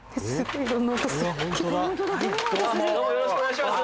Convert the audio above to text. よろしくお願いします。